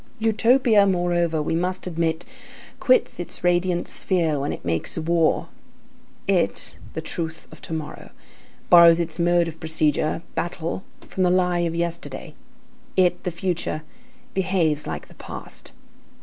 Utopia, moreover, we must admit, quits its radiant sphere when it makes war. It, the truth of to morrow, borrows its mode of procedure, battle, from the lie of yesterday. It, the future, behaves like the past.